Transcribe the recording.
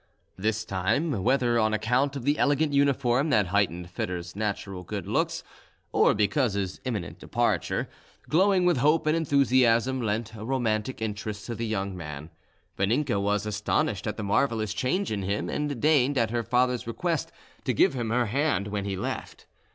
This time, whether on account of the elegant uniform that heightened Foedor's natural good looks, or because his imminent departure, glowing with hope and enthusiasm, lent a romantic interest to the young man, Vaninka was astonished at the marvellous change in him, and deigned, at her father's request, to give him her hand when he left.